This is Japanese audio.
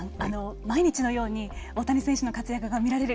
毎日のように大谷選手の活躍が見られる。